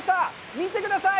見てください。